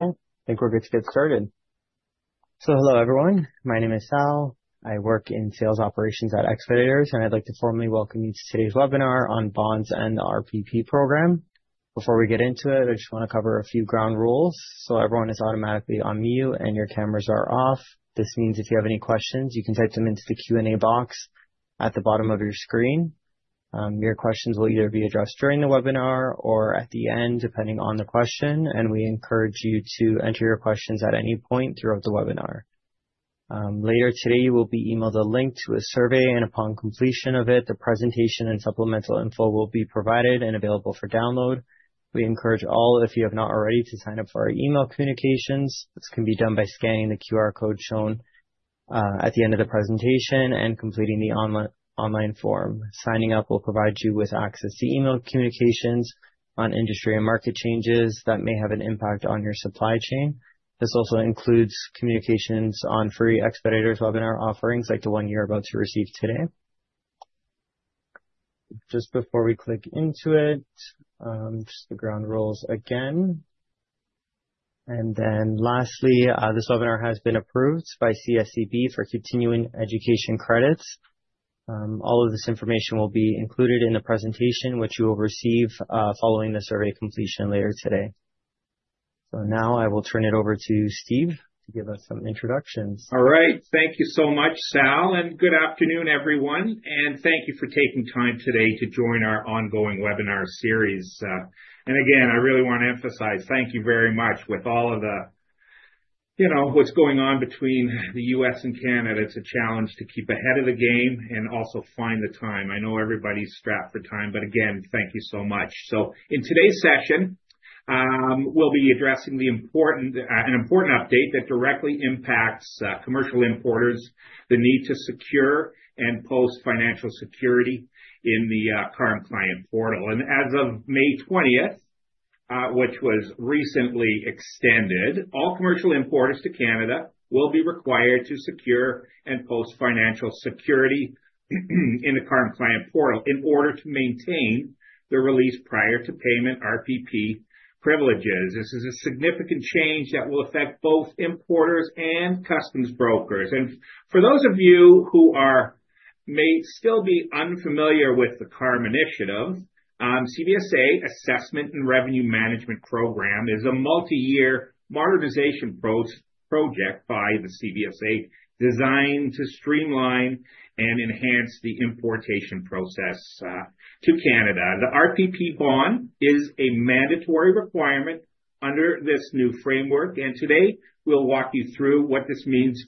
I think we're good to get started. Hello, everyone. My name is Sal. I work in sales operations at Expeditors, and I'd like to formally welcome you to today's Webinar on Bonds and the RPP program. Before we get into it, I just want to cover a few ground rules. Everyone is automatically on mute, and your cameras are off. This means if you have any questions, you can type them into the Q&A box at the bottom of your screen. Your questions will either be addressed during the webinar or at the end, depending on the question, and we encourage you to enter your questions at any point throughout the webinar. Later today, you will be emailed a link to a survey, and upon completion of it, the presentation and supplemental info will be provided and available for download. We encourage all, if you have not already, to sign up for our email communications. This can be done by scanning the QR code shown at the end of the presentation and completing the online form. Signing up will provide you with access to email communications on industry and market changes that may have an impact on your supply chain. This also includes communications on free Expeditors webinar offerings like the one you're about to receive today. Just before we click into it, just the ground rules again. Lastly, this webinar has been approved by CSCB for continuing education credits. All of this information will be included in the presentation, which you will receive following the survey completion later today. Now I will turn it over to Steve to give us some introductions. All right. Thank you so much, Sal, and good afternoon, everyone. Thank you for taking time today to join our ongoing webinar series. I really want to emphasize, thank you very much. With all of the, you know, what's going on between the U.S. and Canada, it's a challenge to keep ahead of the game and also find the time. I know everybody's strapped for time, but again, thank you so much. In today's session, we'll be addressing an important update that directly impacts commercial importers, the need to secure and post financial security in the current client portal. As of May 20, which was recently extended, all commercial importers to Canada will be required to secure and post financial security in the current client portal in order to maintain the release prior to payment RPP privileges. This is a significant change that will affect both importers and customs brokers. For those of you who may still be unfamiliar with the CARM initiative, CBSA Assessment and Revenue Management Program is a multi-year modernization project by the CBSA designed to streamline and enhance the importation process to Canada. The RPP bond is a mandatory requirement under this new framework, and today we'll walk you through what this means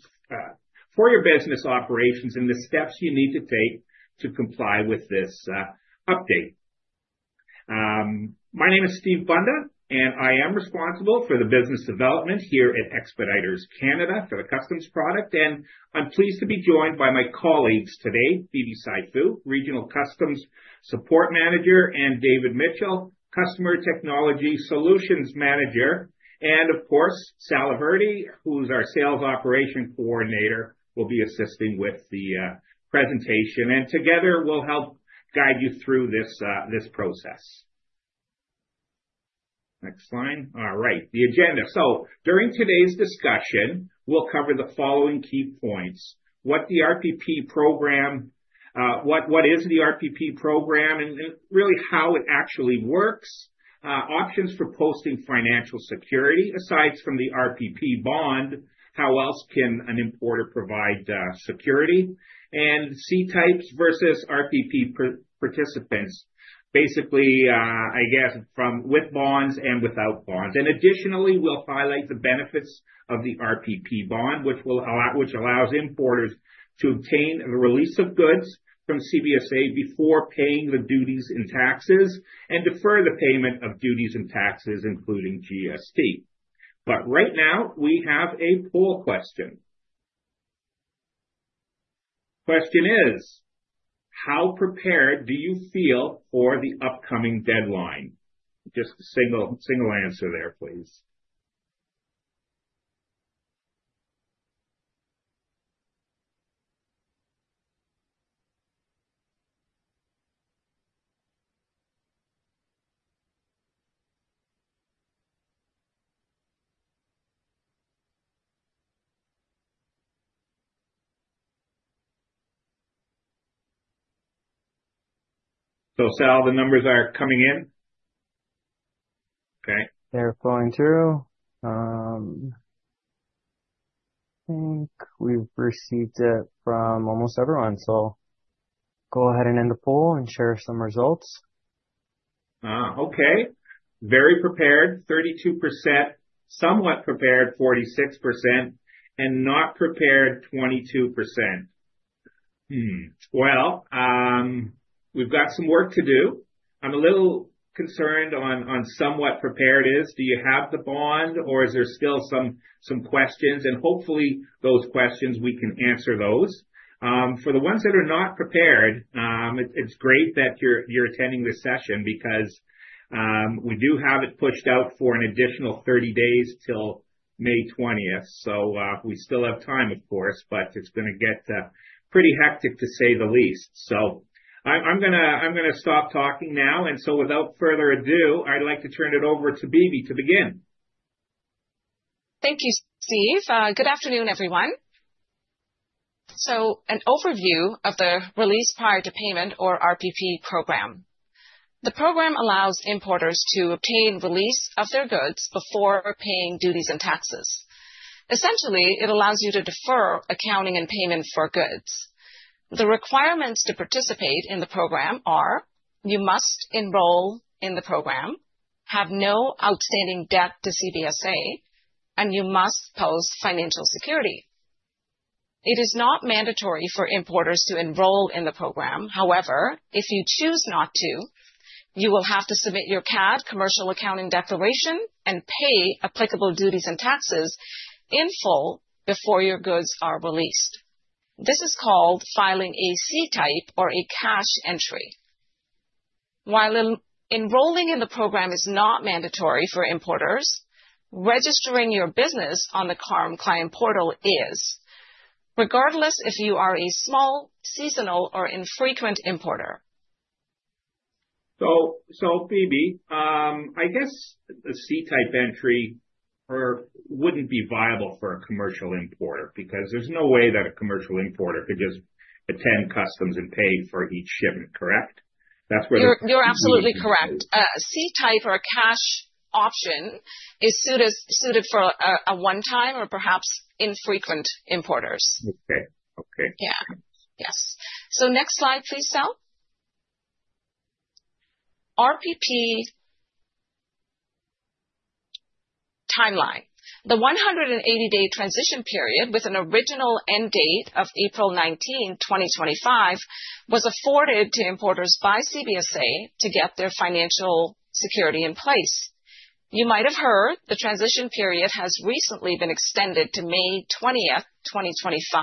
for your business operations and the steps you need to take to comply with this update. My name is Steve Bunda, and I am responsible for the business development here at Expeditors Canada for the customs product, and I'm pleased to be joined by my colleagues today, Phoebe Seifu, Regional Customs Support Manager, and David Mitchell, Customer Technology Solutions Manager, and of course, Sal Averty, who's our Sales Operations Coordinator, will be assisting with the presentation, and together we'll help guide you through this process. Next slide. All right, the agenda. During today's discussion, we'll cover the following key points: what the RPP program, what is the RPP program, and really how it actually works, options for posting financial security aside from the RPP bond, how else can an importer provide security, and C-types versus RPP participants, basically, I guess, from with bonds and without bonds. Additionally, we'll highlight the benefits of the RPP bond, which allows importers to obtain the release of goods from CBSA before paying the duties and taxes and defer the payment of duties and taxes, including GST. Right now, we have a poll question. The question is, how prepared do you feel for the upcoming deadline? Just a single answer there, please. Sal, the numbers are coming in? Okay. They're flowing through. I think we've received it from almost everyone, so go ahead and end the poll and share some results. Okay. Very prepared, 32%, somewhat prepared, 46%, and not prepared, 22%. We've got some work to do. I'm a little concerned on somewhat prepared is, do you have the bond, or is there still some questions? Hopefully, those questions, we can answer those. For the ones that are not prepared, it's great that you're attending this session because we do have it pushed out for an additional 30 days till May 20th. We still have time, of course, but it's going to get pretty hectic, to say the least. I'm going to stop talking now. Without further ado, I'd like to turn it over to Phoebe to begin. Thank you, Steve. Good afternoon, everyone. An overview of the release prior to payment or RPP program. The program allows importers to obtain release of their goods before paying duties and taxes. Essentially, it allows you to defer accounting and payment for goods. The requirements to participate in the program are you must enroll in the program, have no outstanding debt to CBSA, and you must post financial security. It is not mandatory for importers to enroll in the program. However, if you choose not to, you will have to submit your CAD Commercial Accounting Declaration and pay applicable duties and taxes in full before your goods are released. This is called filing a C-type or a cash entry. While enrolling in the program is not mandatory for importers, registering your business on the CARM client portal is, regardless if you are a small, seasonal, or infrequent importer. Phoebe, I guess a C-type entry wouldn't be viable for a commercial importer because there's no way that a commercial importer could just attend customs and pay for each shipment, correct? That's where. You're absolutely correct. C-type or a cash option is suited for a one-time or perhaps infrequent importers. Okay. Okay. Yeah. Yes. Next slide, please, Sal. RPP timeline. The 180-day transition period with an original end date of April 19, 2024, was afforded to importers by CBSA to get their financial security in place. You might have heard the transition period has recently been extended to May 20, 2024.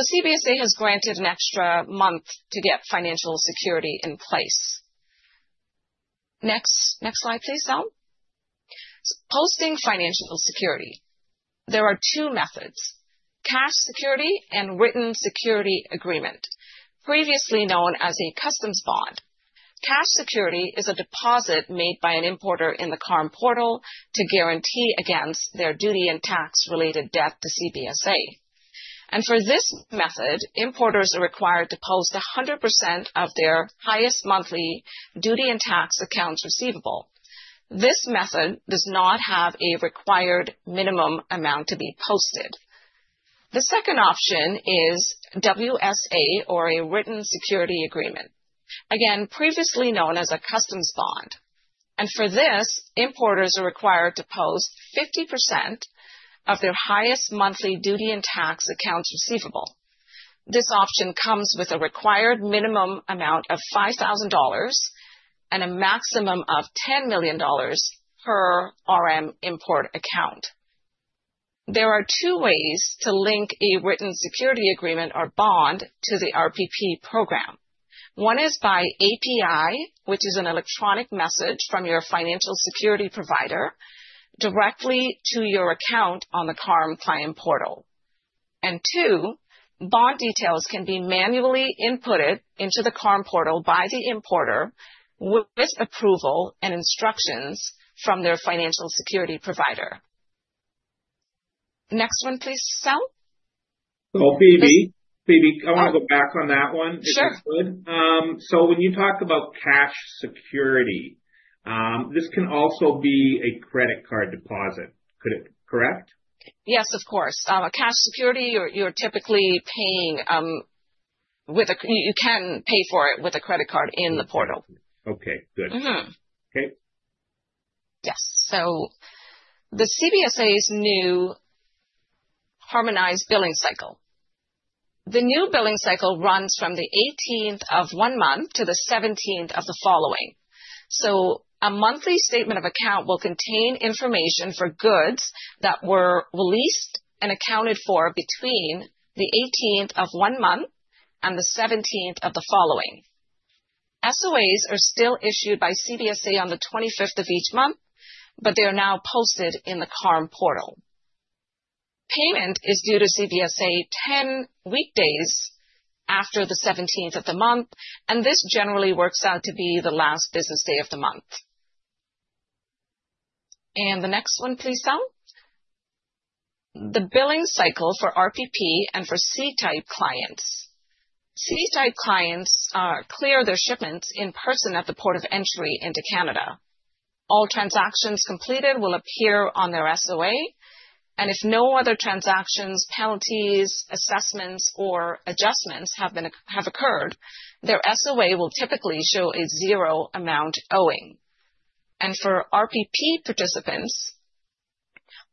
CBSA has granted an extra month to get financial security in place. Next slide, please, Sal. Posting financial security. There are two methods: cash security and Written Security Agreement, previously known as a customs bond. Cash security is a deposit made by an importer in the CARM portal to guarantee against their duty and tax-related debt to CBSA. For this method, importers are required to post 100% of their highest monthly duty and tax accounts receivable. This method does not have a required minimum amount to be posted. The second option is WSA or a Written Security Agreement, again, previously known as a customs bond. For this, importers are required to post 50% of their highest monthly duty and tax accounts receivable. This option comes with a required minimum amount of 5,000 dollars and a maximum of 10 million dollars per RM import account. There are two ways to link a Written Security Agreement or bond to the RPP program. One is by API, which is an electronic message from your financial security provider directly to your account on the CARM client portal. Two, bond details can be manually inputted into the CARM portal by the importer with approval and instructions from their financial security provider. Next one, please, Sal. Phoebe, I want to go back on that one, if you could. When you talk about cash security, this can also be a credit card deposit, correct? Yes, of course. Cash security, you're typically paying with a—you can pay for it with a credit card in the portal. Okay. Good. Okay. Yes. The CBSA's new harmonized billing cycle runs from the 18th of one month to the 17th of the following. A monthly statement of account will contain information for goods that were released and accounted for between the 18th of one month and the 17th of the following. SOAs are still issued by CBSA on the 25th of each month, but they are now posted in the CARM portal. Payment is due to CBSA 10 weekdays after the 17th of the month, and this generally works out to be the last business day of the month. The next one, please, Sal. The billing cycle for RPP and for C type clients. C type clients clear their shipments in person at the port of entry into Canada. All transactions completed will appear on their SOA, and if no other transactions, penalties, assessments, or adjustments have occurred, their SOA will typically show a zero amount owing. For RPP participants,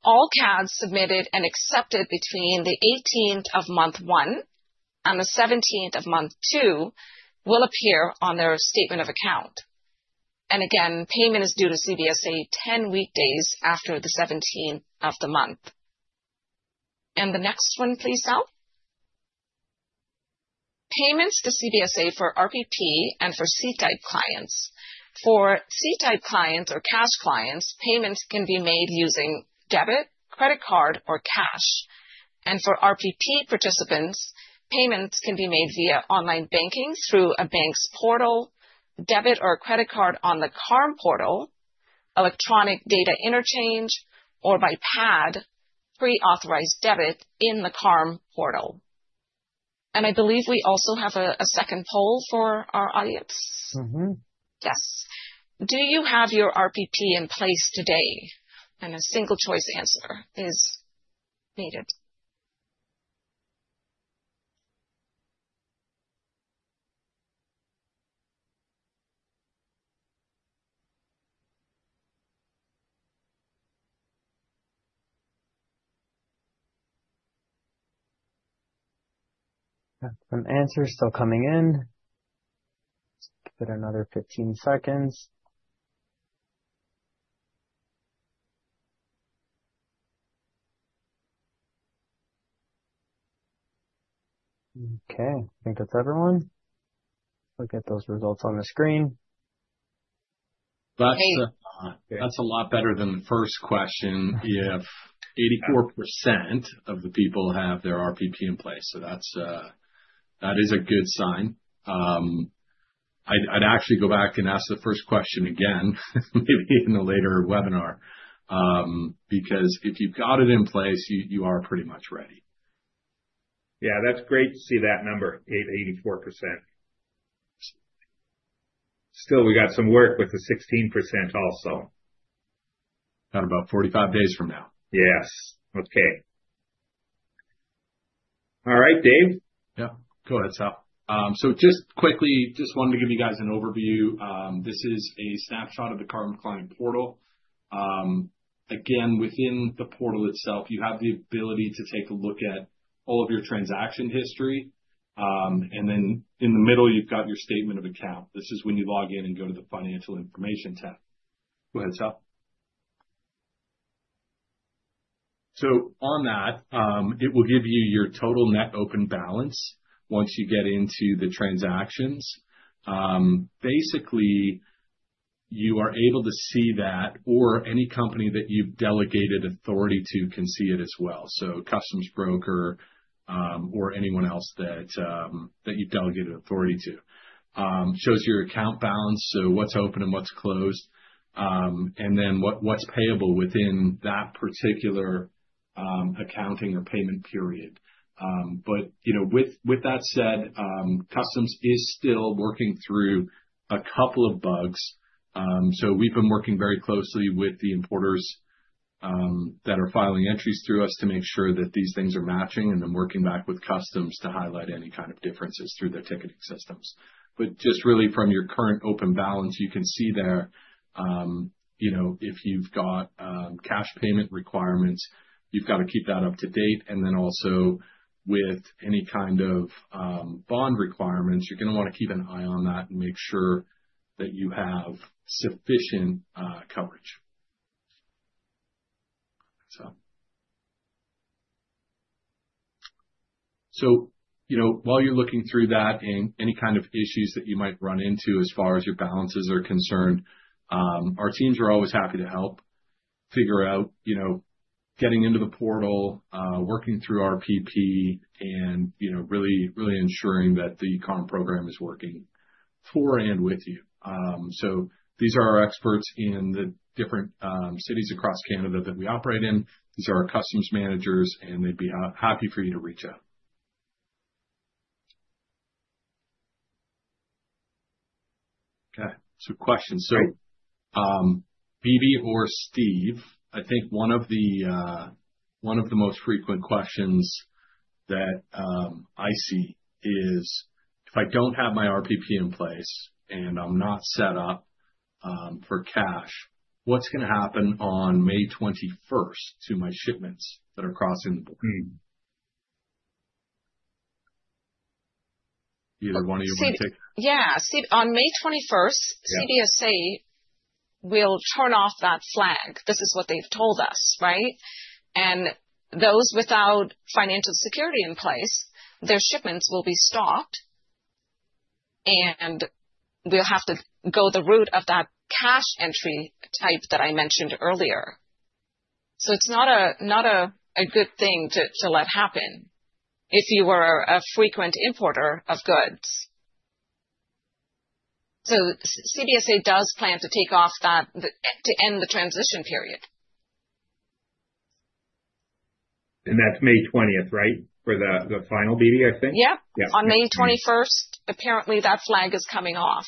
all CADs submitted and accepted between the 18th of month one and the 17th of month two will appear on their statement of account. Payment is due to CBSA 10 weekdays after the 17th of the month. The next one, please, Sal. Payments to CBSA for RPP and for C type clients. For C type clients or cash clients, payments can be made using debit, credit card, or cash. For RPP participants, payments can be made via online banking through a bank's portal, debit or credit card on the CARM portal, electronic data interchange, or by PAD, Pre-Authorized Debit in the CARM portal. I believe we also have a second poll for our audience. Yes. Do you have your RPP in place today? A single choice answer is needed. Some answers still coming in. Give it another 15 seconds. Okay. I think that's everyone. We'll get those results on the screen. That's a lot better than the first question. If 84% of the people have their RPP in place, that is a good sign. I'd actually go back and ask the first question again, maybe in a later webinar, because if you've got it in place, you are pretty much ready. Yeah, that's great to see that number, 84%. Still, we got some work with the 16% also. About 45 days from now. Yes. Okay. All right, Dave. Yeah. Go ahead, Sal. Just quickly, just wanted to give you guys an overview. This is a snapshot of the CARM client portal. Again, within the portal itself, you have the ability to take a look at all of your transaction history. In the middle, you've got your statement of account. This is when you log in and go to the financial information tab. Go ahead, Sal. On that, it will give you your total net open balance once you get into the transactions. Basically, you are able to see that, or any company that you've delegated authority to can see it as well. A customs broker or anyone else that you've delegated authority to shows your account balance, so what's open and what's closed, and then what's payable within that particular accounting or payment period. With that said, customs is still working through a couple of bugs. We have been working very closely with the importers that are filing entries through us to make sure that these things are matching, and then working back with customs to highlight any kind of differences through their ticketing systems. Just really from your current open balance, you can see there if you have cash payment requirements, you have to keep that up to date. Also, with any kind of bond requirements, you are going to want to keep an eye on that and make sure that you have sufficient coverage. While you're looking through that and any kind of issues that you might run into as far as your balances are concerned, our teams are always happy to help figure out getting into the portal, working through RPP, and really ensuring that the CARM program is working for and with you. These are our experts in the different cities across Canada that we operate in. These are our customs managers, and they'd be happy for you to reach out. Okay. Questions. Phoebe or Steve, I think one of the most frequent questions that I see is, if I don't have my RPP in place and I'm not set up for cash, what's going to happen on May 21st to my shipments that are crossing the border? Either one of you want to take that? Yeah. On May 21st, CBSA will turn off that flag. This is what they've told us, right? Those without financial security in place, their shipments will be stopped, and we'll have to go the route of that cash entry type that I mentioned earlier. It is not a good thing to let happen if you were a frequent importer of goods. CBSA does plan to take off that to end the transition period. That's May 20th, right, for the final, Phoebe, I think? Yep. On May 21st, apparently that flag is coming off.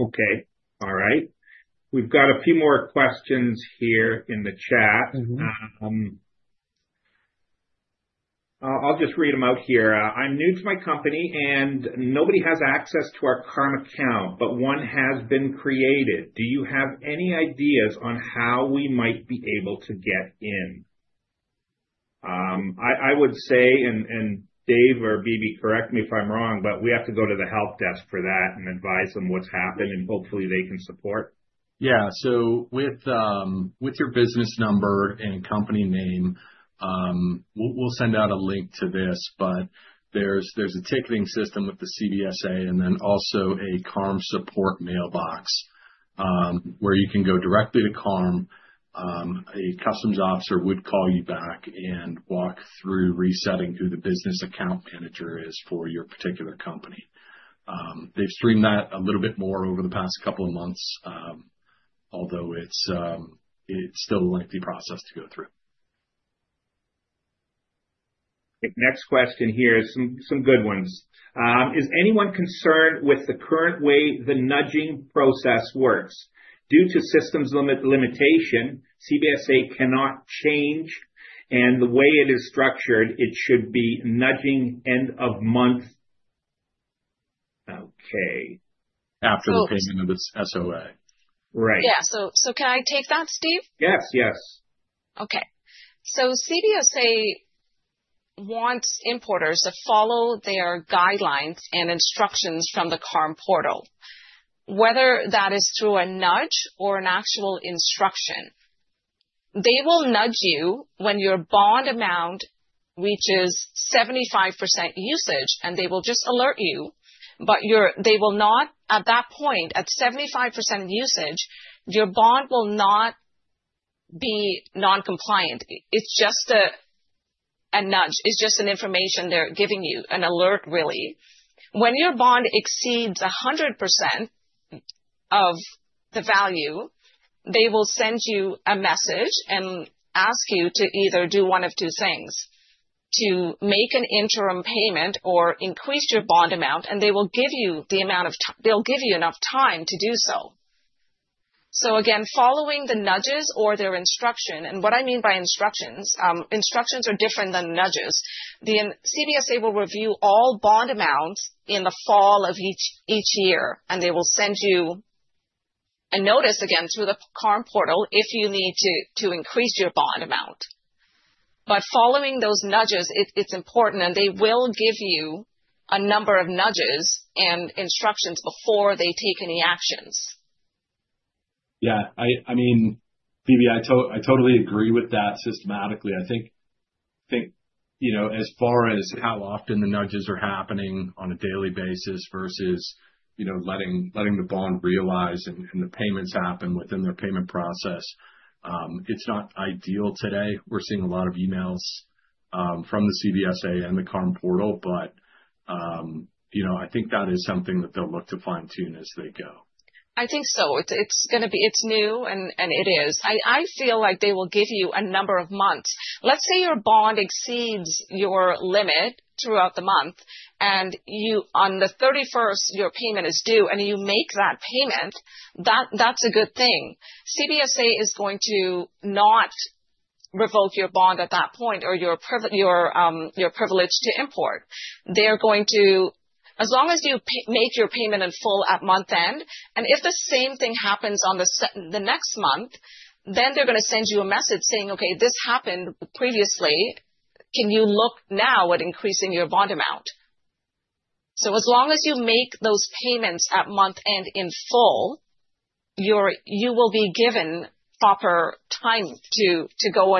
Okay. All right. We've got a few more questions here in the chat. I'll just read them out here. I'm new to my company, and nobody has access to our CARM account, but one has been created. Do you have any ideas on how we might be able to get in? I would say, and Dave or Phoebe, correct me if I'm wrong, but we have to go to the help desk for that and advise them what's happened, and hopefully they can support. Yeah. With your business number and company name, we'll send out a link to this, but there's a ticketing system with the CBSA and also a CARM support mailbox where you can go directly to CARM. A customs officer would call you back and walk through resetting who the business account manager is for your particular company. They've streamlined that a little bit more over the past couple of months, although it's still a lengthy process to go through. Okay. Next question here is some good ones. Is anyone concerned with the current way the nudging process works? Due to systems limitation, CBSA cannot change, and the way it is structured, it should be nudging end of month. Okay. After the payment of its SOA. Right. Yeah. Can I take that, Steve? Yes, yes. Okay. CBSA wants importers to follow their guidelines and instructions from the CARM portal, whether that is through a nudge or an actual instruction. They will nudge you when your bond amount reaches 75% usage, and they will just alert you, but they will not at that point, at 75% usage, your bond will not be non-compliant. It's just a nudge. It's just an information they're giving you, an alert, really. When your bond exceeds 100% of the value, they will send you a message and ask you to either do one of two things: to make an interim payment or increase your bond amount, and they will give you the amount of time, they'll give you enough time to do so. Again, following the nudges or their instruction, and what I mean by instructions, instructions are different than nudges. The CBSA will review all bond amounts in the fall of each year, and they will send you a notice again through the CARM portal if you need to increase your bond amount. Following those nudges, it's important, and they will give you a number of nudges and instructions before they take any actions. Yeah. I mean, Phoebe, I totally agree with that systematically. I think as far as how often the nudges are happening on a daily basis versus letting the bond realize and the payments happen within their payment process, it's not ideal today. We're seeing a lot of emails from the CBSA and the CARM portal, but I think that is something that they'll look to fine-tune as they go. I think so. It's going to be—it's new, and it is. I feel like they will give you a number of months. Let's say your bond exceeds your limit throughout the month, and on the 31st, your payment is due, and you make that payment, that's a good thing. CBSA is going to not revoke your bond at that point or your privilege to import. They're going to—as long as you make your payment in full at month end, and if the same thing happens on the next month, they are going to send you a message saying, "Okay, this happened previously. Can you look now at increasing your bond amount?" As long as you make those payments at month end in full, you will be given proper time to go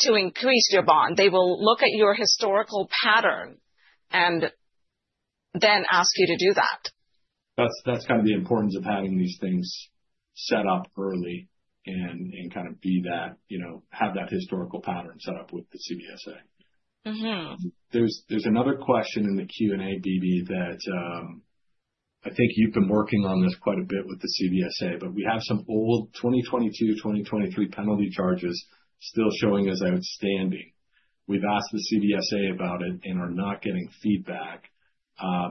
to increase your bond. They will look at your historical pattern and then ask you to do that. That's kind of the importance of having these things set up early and kind of have that historical pattern set up with the CBSA. There's another question in the Q&A, Phoebe, that I think you've been working on this quite a bit with the CBSA, but we have some old 2022, 2023 penalty charges still showing as outstanding. We've asked the CBSA about it and are not getting feedback.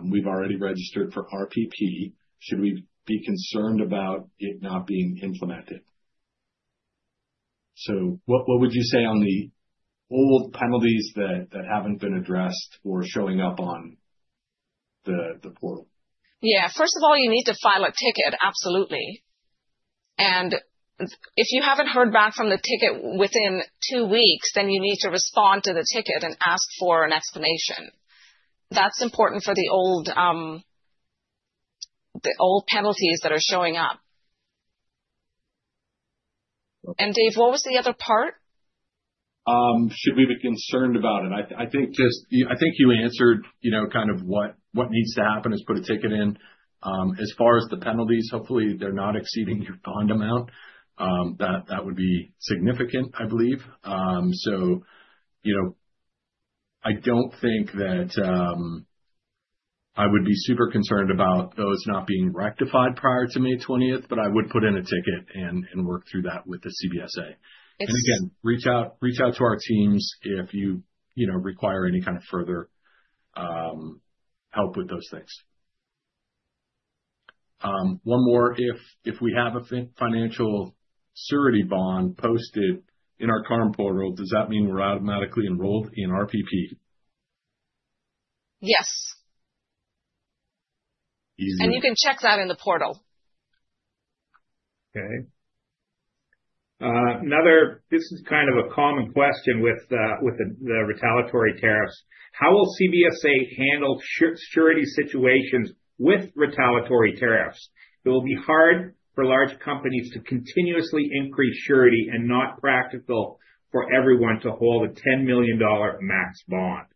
We've already registered for RPP. Should we be concerned about it not being implemented? What would you say on the old penalties that haven't been addressed or showing up on the portal? Yeah. First of all, you need to file a ticket, absolutely. If you haven't heard back from the ticket within two weeks, you need to respond to the ticket and ask for an explanation. That's important for the old penalties that are showing up. Dave, what was the other part? Should we be concerned about it? I think you answered kind of what needs to happen is put a ticket in. As far as the penalties, hopefully they're not exceeding your bond amount. That would be significant, I believe. I don't think that I would be super concerned about those not being rectified prior to May 20th, but I would put in a ticket and work through that with the CBSA. Again, reach out to our teams if you require any kind of further help with those things. One more. If we have a financial surety bond posted in our CARM portal, does that mean we're automatically enrolled in RPP? Yes. Easy. You can check that in the portal. Okay. This is kind of a common question with the retaliatory tariffs. How will CBSA handle surety situations with retaliatory tariffs? It will be hard for large companies to continuously increase surety and not practical for everyone to hold a $10 million max bond.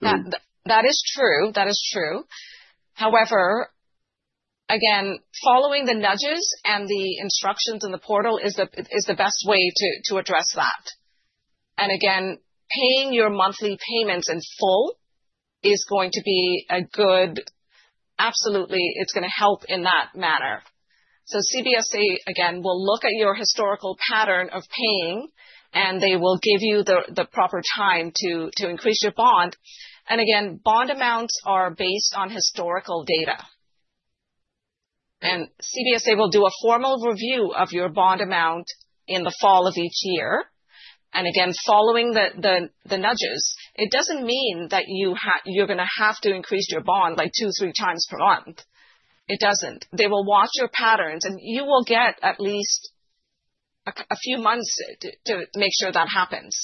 That is true. That is true. However, again, following the nudges and the instructions in the portal is the best way to address that. Again, paying your monthly payments in full is going to be a good—absolutely, it is going to help in that manner. CBSA, again, will look at your historical pattern of paying, and they will give you the proper time to increase your bond. Again, bond amounts are based on historical data. CBSA will do a formal review of your bond amount in the fall of each year. Again, following the nudges, it does not mean that you are going to have to increase your bond like two, three times per month. It does not. They will watch your patterns, and you will get at least a few months to make sure that happens.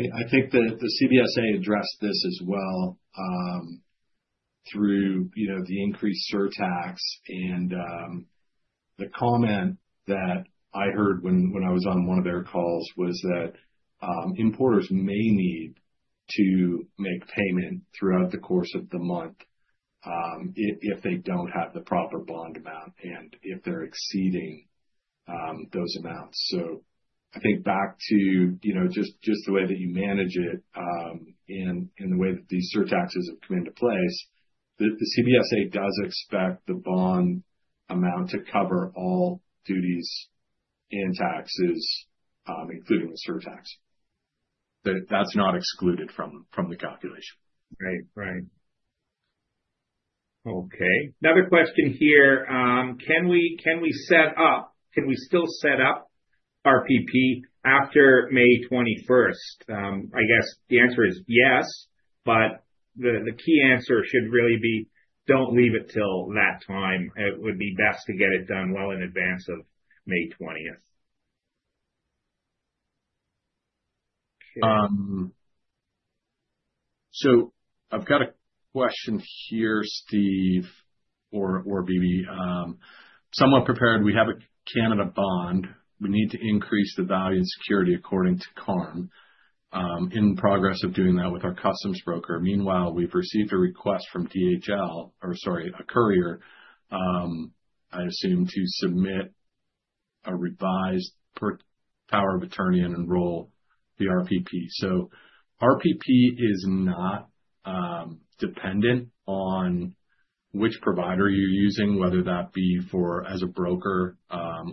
I think the CBSA addressed this as well through the increased surtax, and the comment that I heard when I was on one of their calls was that importers may need to make payment throughout the course of the month if they do not have the proper bond amount and if they are exceeding those amounts. I think back to just the way that you manage it and the way that these surtaxes have come into place, the CBSA does expect the bond amount to cover all duties and taxes, including the surtax. That is not excluded from the calculation. Right, right. Okay. Another question here. Can we set up—can we still set up RPP after May 21st? I guess the answer is yes, but the key answer should really be, "Do not leave it till that time." It would be best to get it done well in advance of May 20th. I've got a question here, Steve or Phoebe. Someone prepared, "We have a Canada bond. We need to increase the value and security according to CARM. In progress of doing that with our customs broker. Meanwhile, we've received a request from DHL or, sorry, a courier, I assume, to submit a revised power of attorney and enroll the RPP." RPP is not dependent on which provider you're using, whether that be as a broker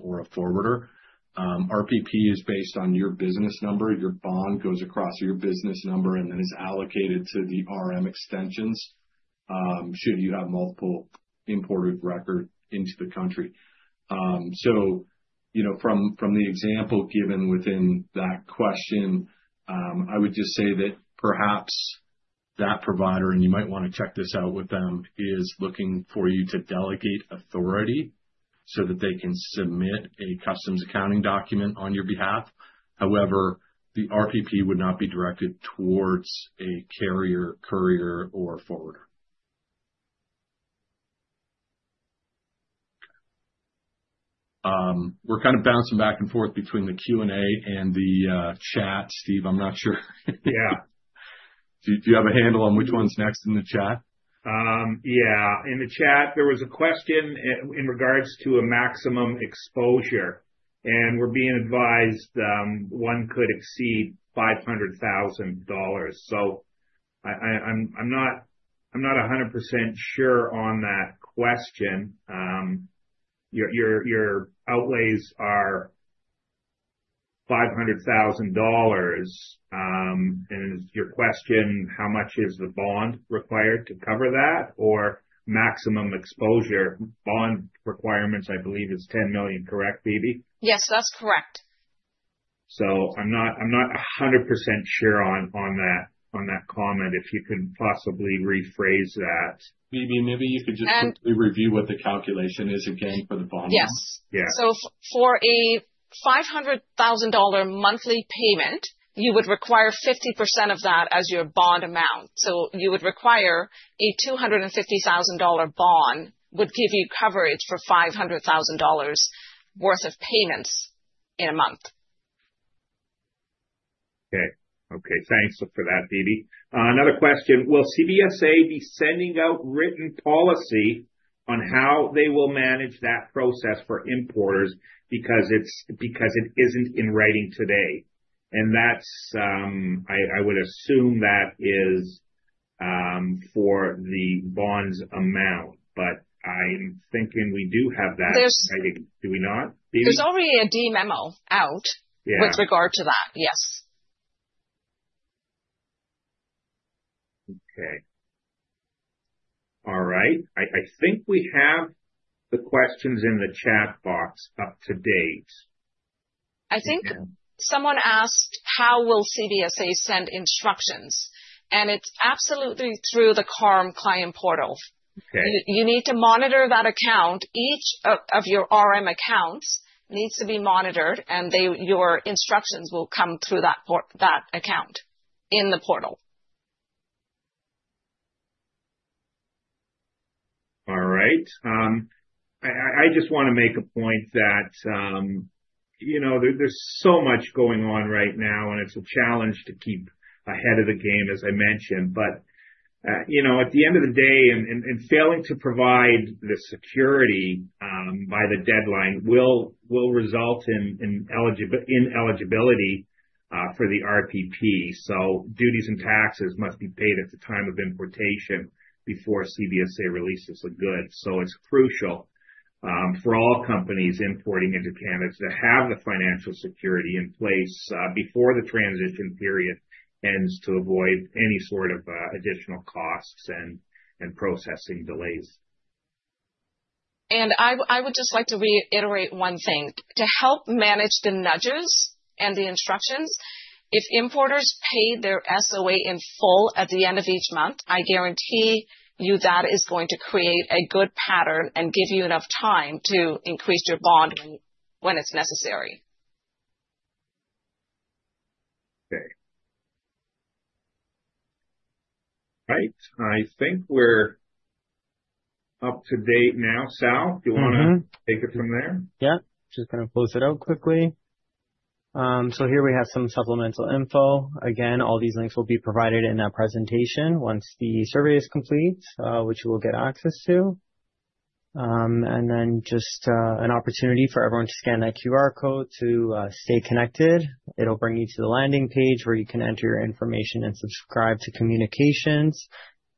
or a forwarder. RPP is based on your business number. Your bond goes across your business number and then is allocated to the RM extensions should you have multiple imported records into the country. From the example given within that question, I would just say that perhaps that provider—and you might want to check this out with them—is looking for you to delegate authority so that they can submit a customs accounting document on your behalf. However, the RPP would not be directed towards a carrier, courier, or forwarder. We're kind of bouncing back and forth between the Q&A and the chat, Steve. I'm not sure. Yeah. Do you have a handle on which one's next in the chat? Yeah. In the chat, there was a question in regards to a maximum exposure, and we're being advised one could exceed $500,000. So I'm not 100% sure on that question. Your outlays are $500,000, and your question, how much is the bond required to cover that or maximum exposure? Bond requirements, I believe, is 10 million. Correct, Phoebe? Yes, that's correct. I'm not 100% sure on that comment. If you can possibly rephrase that. Phoebe, maybe you could just quickly review what the calculation is again for the bond. Yes. For a $500,000 monthly payment, you would require 50% of that as your bond amount. You would require a $250,000 bond, which would give you coverage for $500,000 worth of payments in a month. Okay. Okay. Thanks for that, Phoebe. Another question. Will CBSA be sending out written policy on how they will manage that process for importers because it isn't in writing today? I would assume that is for the bond's amount, but I'm thinking we do have that in writing. Do we not? There's already a D-Memo out with regard to that. Yes. Okay. All right. I think we have the questions in the chat box up to date. I think someone asked, "How will CBSA send instructions?" It is absolutely through the CARM client portal. You need to monitor that account. Each of your RM accounts needs to be monitored, and your instructions will come through that account in the portal. All right. I just want to make a point that there's so much going on right now, and it's a challenge to keep ahead of the game, as I mentioned. At the end of the day, failing to provide the security by the deadline will result in ineligibility for the RPP. Duties and taxes must be paid at the time of importation before CBSA releases the goods. It is crucial for all companies importing into Canada to have the financial security in place before the transition period ends to avoid any sort of additional costs and processing delays. I would just like to reiterate one thing. To help manage the nudges and the instructions, if importers pay their SOA in full at the end of each month, I guarantee you that is going to create a good pattern and give you enough time to increase your bond when it's necessary. Okay. All right. I think we're up to date now. Sal? Do you want to take it from there? Yeah. Just going to close it out quickly. Here we have some supplemental info. Again, all these links will be provided in that presentation once the survey is complete, which you will get access to. Just an opportunity for everyone to scan that QR code to stay connected. It'll bring you to the landing page where you can enter your information and subscribe to communications.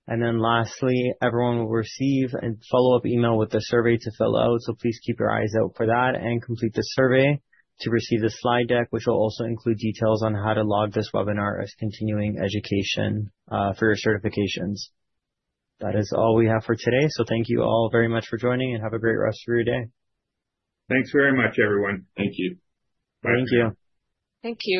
Lastly, everyone will receive a follow-up email with the survey to fill out. Please keep your eyes out for that and complete the survey to receive the slide deck, which will also include details on how to log this webinar as continuing education for your certifications. That is all we have for today. Thank you all very much for joining, and have a great rest of your day. Thanks very much, everyone. Thank you. Thank you. Thank you.